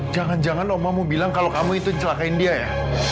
jangan jangan omah mau bilang kalau kamu itu yang celakain dia ya